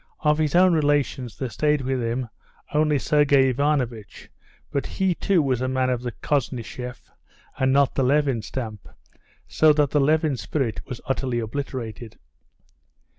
Of his own relations there stayed with him only Sergey Ivanovitch, but he too was a man of the Koznishev and not the Levin stamp, so that the Levin spirit was utterly obliterated.